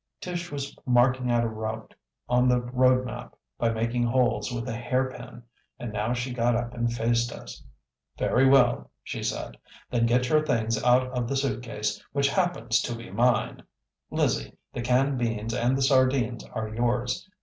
Tish was marking out a route on the road map by making holes with a hairpin, and now she got up and faced us. "Very well," she said. "Then get your things out of the suitcase, which happens to be mine. Lizzie, the canned beans and the sardines are yours.